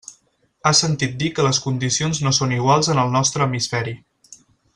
Ha sentit dir que les condicions no són iguals en el nostre hemisferi.